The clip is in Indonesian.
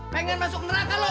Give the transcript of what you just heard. pengen masuk neraka lu